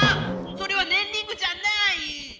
それはねんリングじゃない！